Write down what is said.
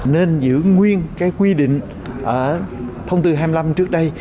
nên giữ nguyên cái quy định ở thông tư hai mươi năm trước đây